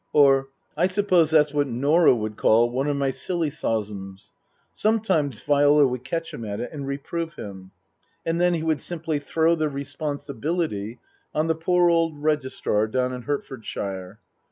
Or, " I suppose that's what Norah would call one of my sillysosms." Sometimes Viola would catch him at it and reprove him. And then he would simply throw the responsibility on the poor old Registrar down in Hertfordshire.